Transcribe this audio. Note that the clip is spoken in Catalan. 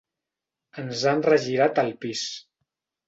Ens han regirat el pis.